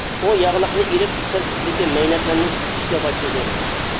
ئۇ ياغلىقنى ئېلىپ ئۈستەل ئۈستىدىكى مەينەتلەرنى سۈرتۈشكە باشلىدى.